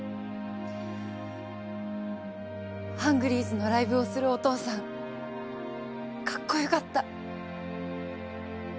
ハングリーズのライブをするお父さんかっこよかった。